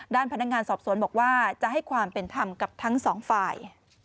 ด้านพนักงานสอบสวนบอกว่าจะให้ความเป็นธรรมกับทั้งสองฝ่าย